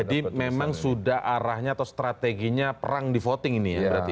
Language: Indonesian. memang sudah arahnya atau strateginya perang di voting ini ya berarti ya